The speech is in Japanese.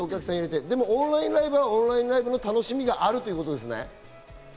でもオンラインライブはオンラインライブの楽しみがあるってことですね？